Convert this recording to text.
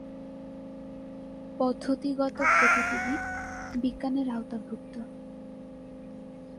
পদ্ধতিগত প্রকৃতিবাদ "বিজ্ঞানের আওতাভুক্ত"।